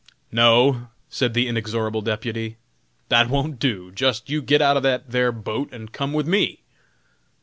"No," said the inexorable deputy, "that won't do, jist you git out of that thar boat and come with me."